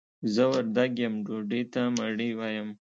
زه وردګ يم ډوډۍ ته مړۍ وايم.